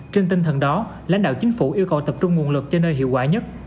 trên tinh thần đó lãnh đạo chính phủ yêu cầu tập trung nguồn lực cho nơi hiệu quả nhất